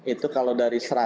itu kalau dari seratus